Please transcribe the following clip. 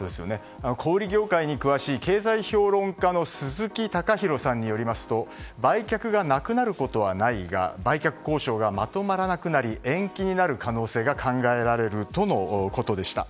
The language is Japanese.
小売業界に詳しい経済評論家の鈴木貴博さんによりますと売却がなくなることはないが売却交渉がまとまらなくなり延期になる可能性が考えられるとのことでした。